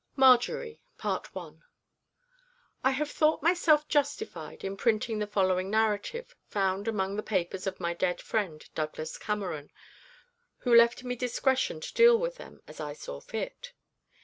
MARJORY INTRODUCTION I have thought myself justified in printing the following narrative, found among the papers of my dead friend, Douglas Cameron, who left me discretion to deal with them as I saw fit.